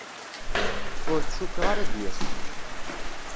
Ur t-cukkeɣ ara ad d-yas.